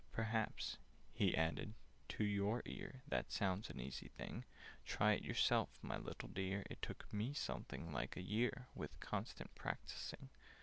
"Perhaps," he added, "to your ear That sounds an easy thing? Try it yourself, my little dear! It took me something like a year, With constant practising.